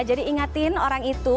jadi ingatin orang itu